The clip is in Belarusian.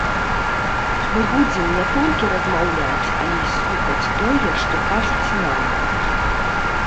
Мы будзем не толькі размаўляць, але і слухаць тое, што кажуць нам.